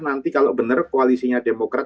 nanti kalau benar koalisinya demokrat